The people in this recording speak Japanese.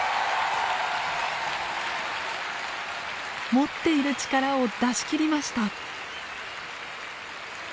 持っている力を出し切りました。